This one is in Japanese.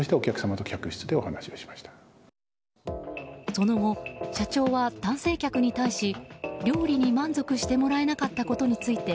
その後、社長は男性客に対し料理に満足してもらえなかったことについて